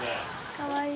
かわいい。